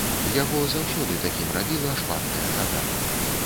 Яго заўсёды такім рабіла шпаркая хада.